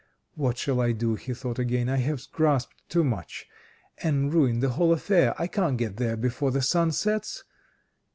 "What shall I do," he thought again, "I have grasped too much, and ruined the whole affair. I can't get there before the sun sets."